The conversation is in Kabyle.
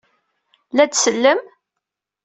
La d-sellem?